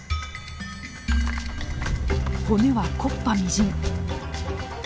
骨は木っ端みじん。